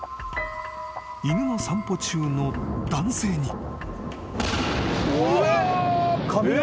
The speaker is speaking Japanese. ［犬の散歩中の男性に］